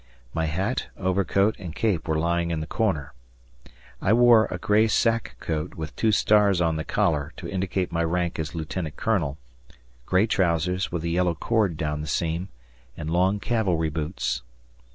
My hat, overcoat, and cape were lying in the corner. I wore a gray sack coat with two stars on the collar to indicate my rank as lieutenant colonel, gray trousers with a yellow cord down the seam, and long cavalry boots.